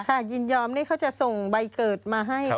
ยินยอมนี่เขาจะส่งใบเกิดมาให้